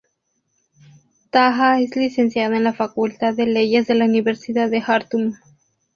Taha es licenciado en la Facultad de Leyes de la Universidad de Jartum.